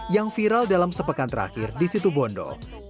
yang viral dalam sepekan terakhir di situ bondo